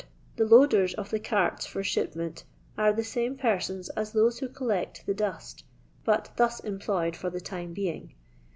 The loaders of the carts for shipment are the same persons as those who collect the dust, but thus employed for the time being.